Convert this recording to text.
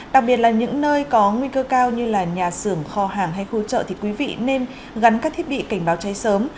đặc biệt là những nơi có nguy cơ cao như là nhà xưởng kho hàng hay khu chợ thì quý vị nên gắn các thiết bị cảnh báo cháy sớm